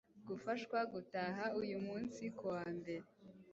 gufashwa gutaha, uyu munsi kuwa mbere